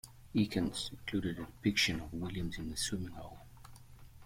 Eakins included a depiction of Williams in The Swimming Hole.